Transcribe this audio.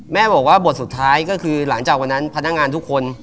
แม่บอกว่าบทสุดท้ายก็คือหลังจากวันนั้นพนักงานทุกคน